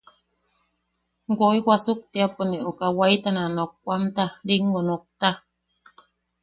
Woi wasuktiapo ne uka waetana nokwamta ringo nokta.